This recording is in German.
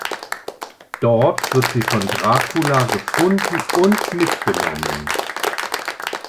Dort wird sie von Dracula gefunden und mitgenommen.